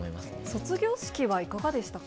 卒業式はいかがでしたか？